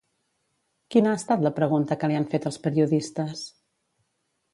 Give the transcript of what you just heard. Quina ha estat la pregunta que li han fet els periodistes?